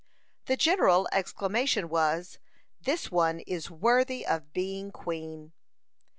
The general exclamation was: "This one is worthy of being queen."